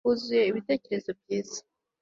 Huzuye ibitekerezo byiza